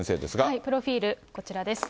プロフィール、こちらです。